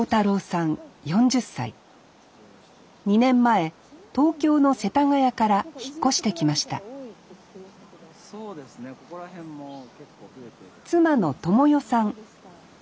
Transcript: ２年前東京の世田谷から引っ越してきました妻の知世さん千花ちゃん